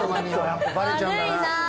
やっぱバレちゃうんだな。